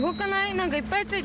何かいっぱいついてるよ。